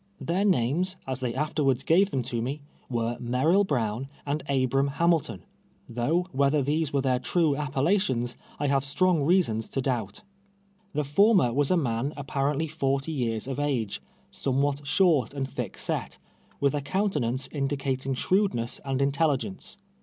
Their names, as they afterwards gave them to me, were Merrill Brown and Abram Hamilton, though whether these were their true ap pellations, I have strong reasons to doubt. The for mer "was a man apparently forty years of age, some what short and thick set, with a countenance indica ting shrewdness and intelligence.